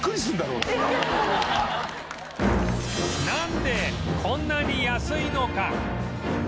なんでこんなに安いのか？